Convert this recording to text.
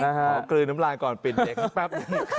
ขอกลืนน้ำลายก่อนปิดเด็กครับ